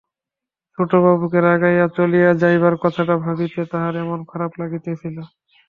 ছোটবাবুকে রাগাইয়া চলিয়া যাইবার কথাটা ভাবিতে তাহার এমন খারাপ লাগিতেছিল!